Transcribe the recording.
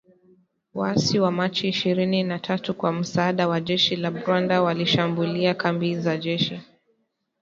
waasi wa Machi ishirini na tatu kwa msaada wa jeshi la Rwanda, walishambulia kambi za jeshi